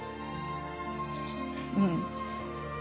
うん。